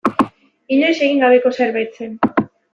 Inoiz egin gabeko zerbait zen.